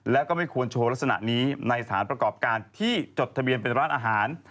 และก็ไม่ควรโชว์ลักษณะนี้ในสถานประกอบการที่จดทะเบียนเป็นร้านอาหาร